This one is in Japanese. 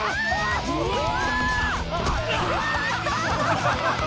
うわ！